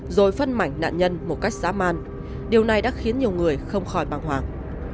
rồi phân mảnh nạn nhân một cách giá man điều này đã khiến nhiều người không khỏi băng hoảng